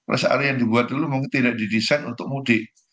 rest area yang dibuat dulu mungkin tidak didesain untuk mudik